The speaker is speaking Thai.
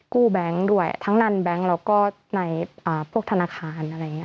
กู้แบงค์ด้วยทั้งนั้นแบงค์แล้วก็ในพวกธนาคาร